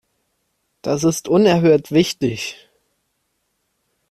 Das ist unerhört wichtig!